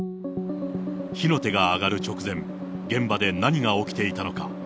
火の手が上がる直前、現場で何が起きていたのか。